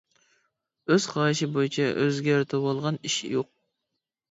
ئۆز خاھىشى بويىچە ئۆزگەرتىۋالغان ئىش يوق.